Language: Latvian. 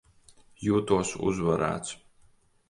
Jūtos uzvarēts.